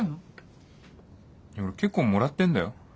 いや俺結構もらってんだよ。